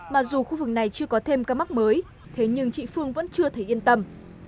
mặc dù khu vực này chưa có thêm ca mắc mới thế nhưng chị phương vẫn chưa thấy yên tâm